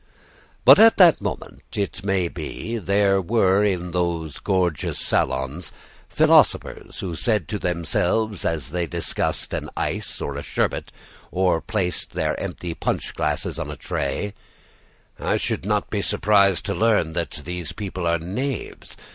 But at that moment, it may be, there were in those gorgeous salons philosophers who said to themselves, as they discussed an ice or a sherbet, or placed their empty punch glasses on a tray: "I should not be surprised to learn that these people are knaves.